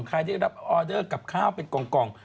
ใครได้รับออเดอร์กับข้าวเป็นกล่อง